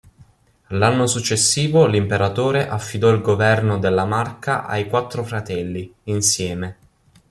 L'anno successivo l'Imperatore affidò il governo della marca ai quattro fratelli, insieme.